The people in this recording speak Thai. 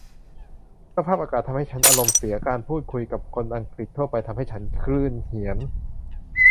สภาพอากาศทำให้ฉันอารมณ์เสีย การพูดคุยกับคนอังกฤษทั่วไปทำให้ฉันคลื่นเหียน